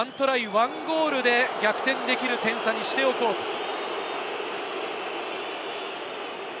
１ゴールで逆転できる点差にしておこうという。